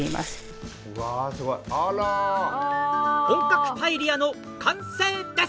本格パエリアの完成です！